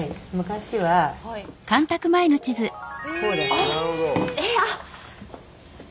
あっ！